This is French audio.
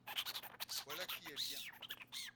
Voilà qui est bien